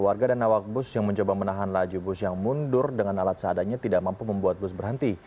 warga dan awak bus yang mencoba menahan laju bus yang mundur dengan alat seadanya tidak mampu membuat bus berhenti